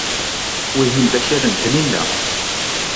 Wihin d akal n Taninna.